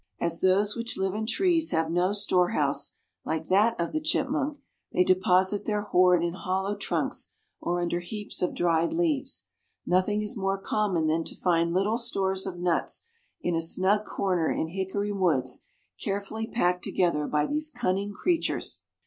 As those which live in trees have no store house like that of the chipmunk, they deposit their hoard in hollow trunks or under heaps of dried leaves. Nothing is more common than to find little stores of nuts in a snug corner in hickory woods, carefully packed together by these cunning creatures.